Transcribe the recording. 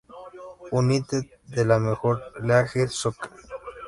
United, de la Major League Soccer.